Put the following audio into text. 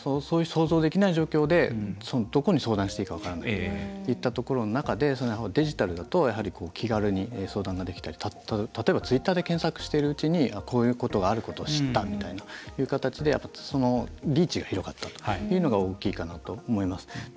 そういう想像できない状況でどこに相談していいか分からないといったところの中でデジタルだとやはり気軽に相談ができたり例えば、ツイッターで検索しているうちにこういうことがあることを知ったみたいな、という形でリーチが広がったというのが大きいかなと思います。